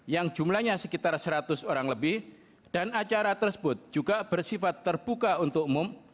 yang jumlahnya sekitar seratus orang lebih dan acara tersebut juga bersifat terbuka untuk umum